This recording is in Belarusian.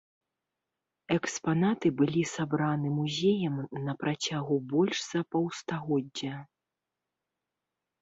Экспанаты былі сабраны музеем на працягу больш за паўстагоддзя.